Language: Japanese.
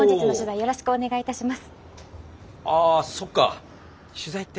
よろしくお願いします。